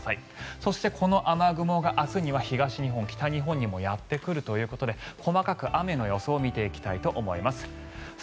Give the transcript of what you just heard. そしてこの雨雲が明日には東日本、北日本にもやってくるということで細かく雨の予想を見ていきたいと思います。